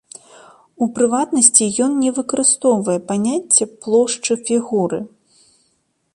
У прыватнасці, ён не выкарыстоўвае паняцце плошчы фігуры.